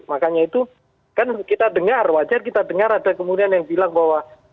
makanya itu kan kita dengar wajar kita dengar ada kemudian yang bilang bahwa